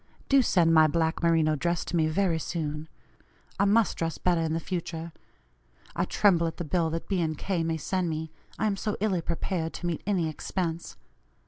Do send my black merino dress to me very soon; I must dress better in the future. I tremble at the bill that B. & K. may send me, I am so illy prepared to meet any expense.